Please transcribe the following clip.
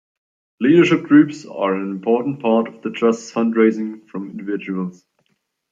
Leadership Groups are an important part of the trust's fundraising from individuals.